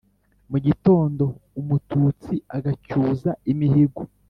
mu gitondo umututsi agacyuza imihigo